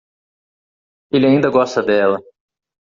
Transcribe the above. Ele ainda gosta dela.